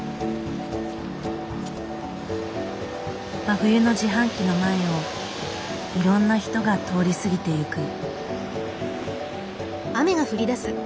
真冬の自販機の前をいろんな人が通り過ぎていく。